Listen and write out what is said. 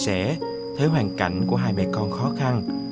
chia sẻ thấy hoàn cảnh của hai mẹ con khó khăn